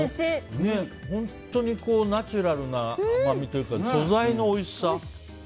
本当にナチュラルな甘みというか素材のおいしさ。